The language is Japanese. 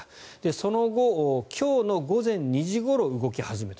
その後、今日の午前２時ごろに動き始めた。